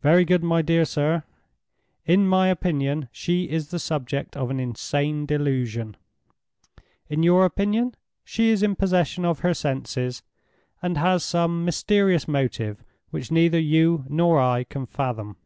"Very good, my dear sir. In my opinion, she is the subject of an insane delusion. In your opinion, she is in possession of her senses, and has some mysterious motive which neither you nor I can fathom.